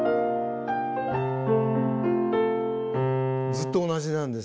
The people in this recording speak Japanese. ずっと同じなんです。